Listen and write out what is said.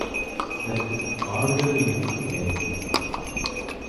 இதற்குப் பாடுதல் என்று பெயர்.